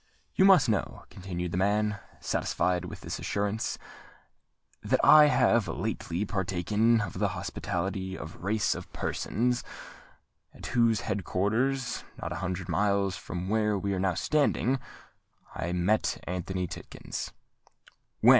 "You must know," continued the man, satisfied with this assurance, "that I have lately partaken of the hospitality of a race of persons, at whose head quarters—not a hundred miles from where we are now standing—I met Anthony Tidkins——" "When?"